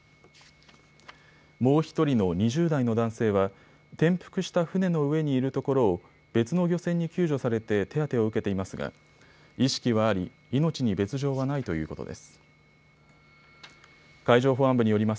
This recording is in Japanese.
もう１人の２０代の男性は転覆した船の上にいるところを別の漁船に救助されて手当てを受けていますが意識はあり、命に別状はないということです。